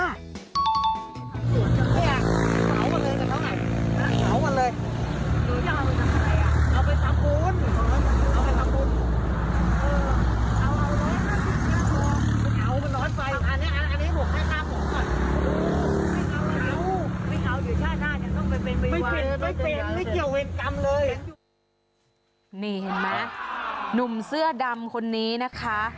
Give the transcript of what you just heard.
นี่เห็นไหมหนุ่มเสื้อดำคนนี้นะคะ